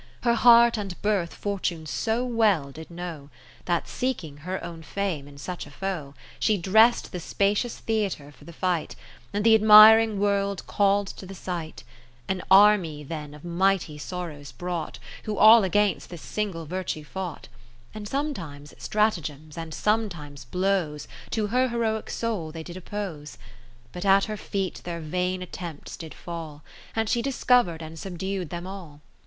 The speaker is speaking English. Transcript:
Her heart and birth Fortune so well did know. That seeking her own fame in such a foe, 10 She drest the spacious theatre for the fight : And the admiring World call'd to the sight : An army then of mighty sorrows brought, Who all against this single virtue fought ; And sometimes stratagems, and sometimes blows To her heroic soul they did oppose: But at her feet their vain attempts did fall. And she discovered and subdu'd them all.